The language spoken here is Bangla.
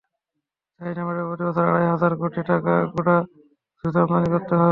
চাহিদা মেটাতে প্রতিবছর আড়াই হাজার কোটি টাকার গুঁড়া দুধ আমদানি করতে হয়।